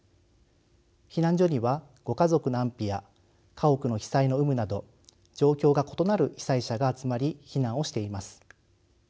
避難所にはご家族の安否や家屋の被災の有無など状況が異なる被災者が集まり避難をしています。